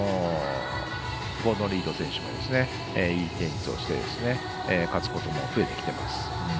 ゴードン・リード選手もいいテニスをして勝つことも増えてきています。